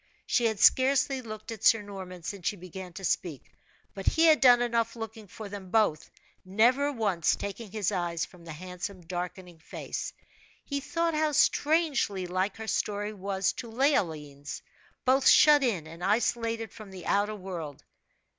She had scarcely looked at Sir Norman since she began to speak, but he had done enough looking for them both, never once taking his eyes from the handsome darkening face. He thought how strangely like her story was to Leoline's both shut in and isolated from the outer world.